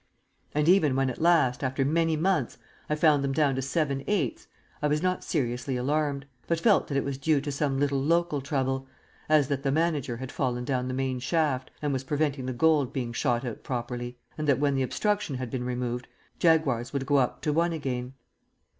And even when at last, after many months, I found them down to 7/8 I was not seriously alarmed, but felt that it was due to some little local trouble (as that the manager had fallen down the main shaft and was preventing the gold being shot out properly), and that, when the obstruction had been removed, Jaguars would go up to 1 again.